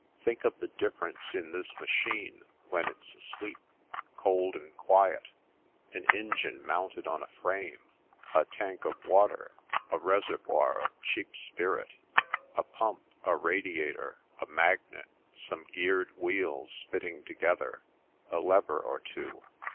" Think of the difference in this ma chine, when it's asleep — cold and quiet, an engine mounted on a frame, a tank of water, a reservoir of cheap spirit, a pump, a radiator, a magnet, some geared wheels fitting together, a lever or two.